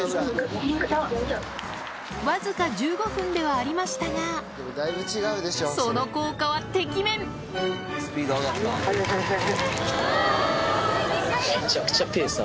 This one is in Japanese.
わずか１５分ではありましたがその効果はてきめんおすごい。